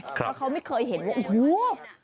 เพราะเขาไม่เคยเห็นว่าโอ้โห